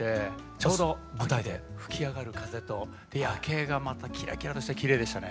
ちょうど吹き上がる風と夜景がまたキラキラとしてきれいでしたね。